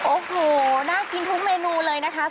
โอ้โหน่ากินทุกเมนูเลยนะคะ